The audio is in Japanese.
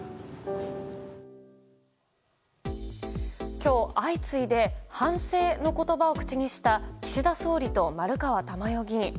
今日、相次いで反省の言葉を口にした岸田総理と丸川珠代議員。